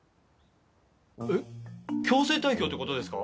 えっ強制退去って事ですか？